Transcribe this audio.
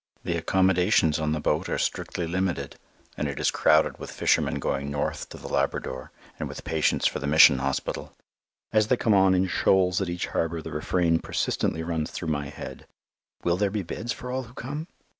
The accommodations on the boat are strictly limited, and it is crowded with fishermen going north to the Labrador, and with patients for the Mission Hospital. As they come on in shoals at each harbour the refrain persistently runs through my head, "Will there be beds for all who come?"